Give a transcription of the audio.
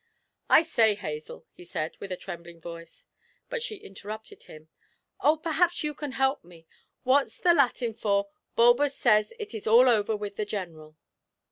'I say, Hazel,' he said, with a trembling voice; but she interrupted him: 'Oh, perhaps you can help me. What's the Latin for "Balbus says it is all over with the General"?'